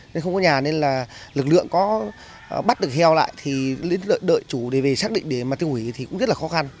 nên không có nhà nên là lực lượng có bắt được heo lại thì đợi chú để về xác định để mà tiêu hủy thì cũng rất là khó khăn